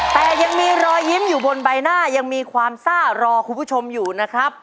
แต่ยังมีรอยยิ้มอยู่บนใบหน้ายังมีความซ่ารอคุณผู้ชมอยู่นะครับ